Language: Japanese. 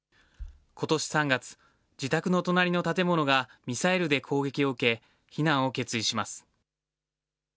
ことし３月、自宅の隣の建物がミサイルで攻撃を受け、避難を決意します。